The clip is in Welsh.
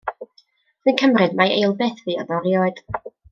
Dwi'n cymryd mai eilbeth fuodd o erioed.